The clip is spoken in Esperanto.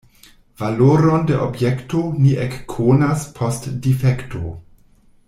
Valoron de objekto ni ekkonas post difekto.